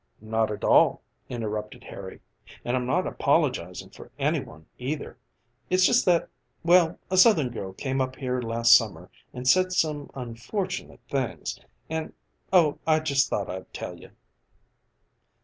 "Not at all," interrupted Harry, "and I'm not apologizing for any one either. It's just that well, a Southern girl came up here last summer and said some unfortunate things, and oh, I just thought I'd tell you."